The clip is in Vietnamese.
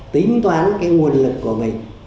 tính toán cái nguồn điện của mình